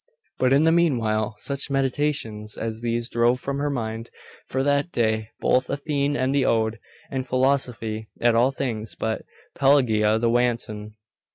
But in the meanwhile, such meditations as these drove from her mind for that day both Athene, and the ode, and philosophy, and all things but Pelagia the wanton.